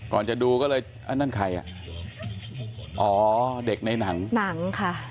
ก่อนจะดูก็เลยอันนั้นใครอ่ะอ๋อเด็กในหนังหนังค่ะ